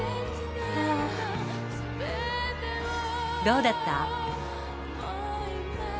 「どうだった？」